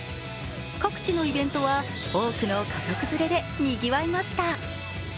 各地のイベントは多くの家族連れでにぎわいました。